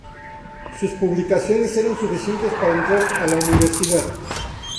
Sus publicaciones eran suficientes para entrar a la universidad.